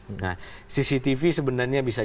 nah cctv sebenarnya bisa